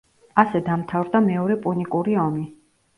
ასე დამთავრდა მეორე პუნიკური ომი.